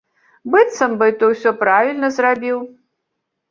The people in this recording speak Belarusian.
Быццам бы, ты ўсё правільна зрабіў.